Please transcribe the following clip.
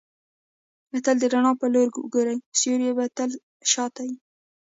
تل د رڼا پر لوري ګورئ! سیوری به دي تل شاته يي.